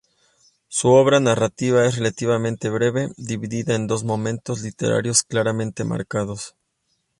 Su obra narrativa es relativamente breve, dividida en dos momentos literarios claramente marcados.